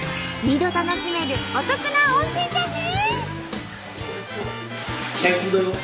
２度楽しめるお得な温泉じゃね！